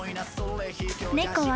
猫は］